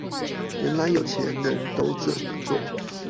原來有錢人都這麼做